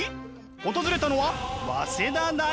訪れたのは早稲田大学。